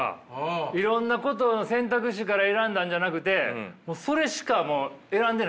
いろんなことの選択肢から選んだんじゃなくてもうそれしかもう選んでないから。